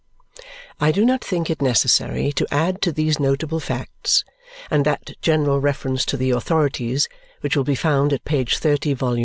I do not think it necessary to add to these notable facts, and that general reference to the authorities which will be found at page 30, vol.